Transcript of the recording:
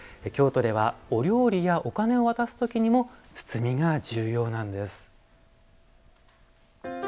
京都ではお料理やお金を渡すときにも包みが重要なんです。